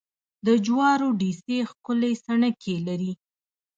د جوارو ډېسې ښکلې څڼکې لري.